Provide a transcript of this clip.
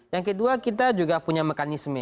yang kedua kita juga punya mekanisme